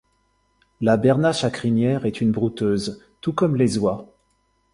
La bernache à crinière est une brouteuse tout comme les oies.